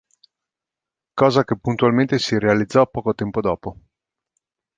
Cosa che puntualmente si realizzò poco tempo dopo.